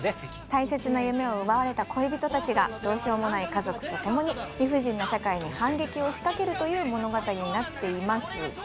大切な夢を奪われた恋人たちがどうしようもない家族と共に理不尽な社会に反撃を仕掛けるという物語になっていますが。